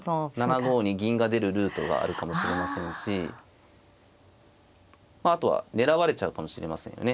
７五に銀が出るルートがあるかもしれませんしあとは狙われちゃうかもしれませんよね